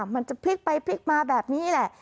มันจะพลิกไปพลิกมาแบบนี้แหละ